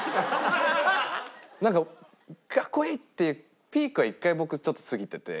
なんか格好いいってピークは１回僕ちょっと過ぎてて。